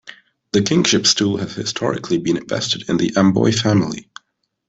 The kingship stool has historically been vested in the Amobi family.